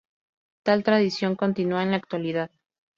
Tal tradición continúa en la actualidad.